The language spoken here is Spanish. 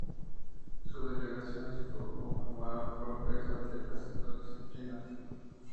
Su delegación estuvo conformada por tres atletas en dos disciplinas.